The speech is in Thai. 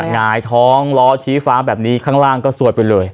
หงายท้องล้อชี้ฟ้าแบบนี้ข้างล่างก็สวดไปเลย